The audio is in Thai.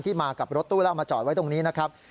มากับรถตู้แล้วเอามาจอดไว้ตรงนี้นะครับ